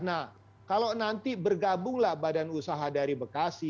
nah kalau nanti bergabunglah badan usaha dari bekasi